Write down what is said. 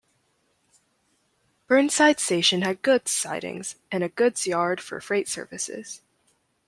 Burneside station had goods sidings and a goods yard for freight services.